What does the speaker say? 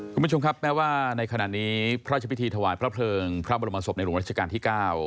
คุณผู้ชมครับแม้ว่าในขณะนี้พระราชพิธีถวายพระเพลิงพระบรมศพในหลวงรัชกาลที่๙